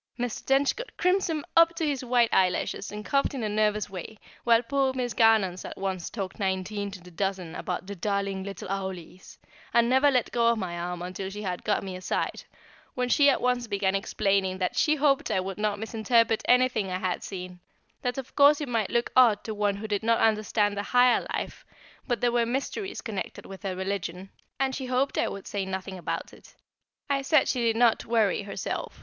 Mr. Trench got crimson up to his white eyelashes, and coughed in a nervous way, while poor Miss Garnons at once talked nineteen to the dozen about the "darling little owlies," and never let go my arm until she had got me aside, when she at once began explaining that she hoped I would not misinterpret anything I had seen; that of course it might look odd to one who did not understand the higher life, but there were mysteries connected with her religion, and she hoped I would say nothing about it. I said she need not worry herself.